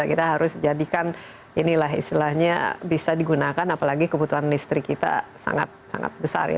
kita harus jadikan inilah istilahnya bisa digunakan apalagi kebutuhan listrik kita sangat sangat besar ya